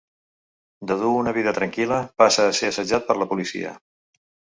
De dur una vida tranquil·la passa a ser assetjat per la policia.